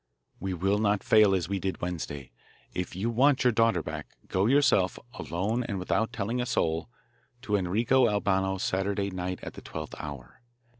We will not fail as we did Wednesday. If you want your daughter back, go yourself, alone and without telling a soul, to Enrico Albano's Saturday night at the twelfth hour.